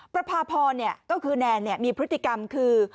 ประพาพรก็คือแนนมีพฤติกรรมคือ